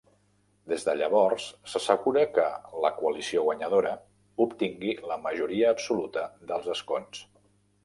Des de llavors s'assegura que la coalició guanyadora obtingui la majoria absoluta dels escons.